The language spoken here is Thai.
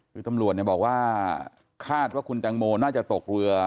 คือตำรวจบอกว่าคาดว่าคุณแตงโมน่าจะตกเรือ